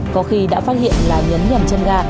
có khi đã phát hiện là nhấn nhầm chân ga